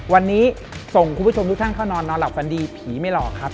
วันนี้ส่งคุณผู้ชมทุกท่านเข้านอนนอนหลับฝันดีผีไม่หลอกครับ